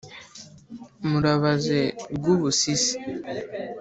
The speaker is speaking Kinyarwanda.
murabaze rwubusisi